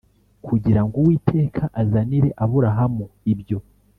kugira ngo Uwiteka azanire Aburahamu ibyo